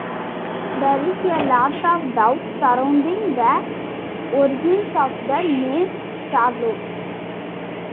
There is a lot of doubt surrounding the origins of the name "charlotte".